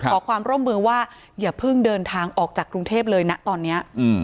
ขอความร่วมมือว่าอย่าเพิ่งเดินทางออกจากกรุงเทพเลยนะตอนนี้